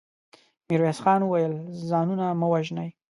ميرويس خان وويل: ځانونه مه وژنئ.